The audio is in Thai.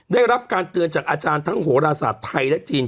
ได้รับการเตือนจากอาจารย์ทั้งโหราศาสตร์ไทยและจีน